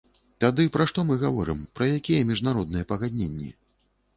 Тады пра што мы гаворым, пра якія міжнародныя пагадненні?